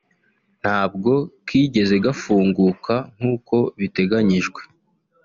ntabwo kigeze gafunguka nk’uko biteganyijwe